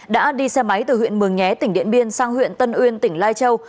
đã đi xe máy từ huyện mường nhé tỉnh điện biên sang huyện tân uyên tỉnh lai châu